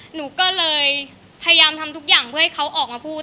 หนูก็เลยพยายามทำทุกอย่างเพื่อให้เขาออกมาพูด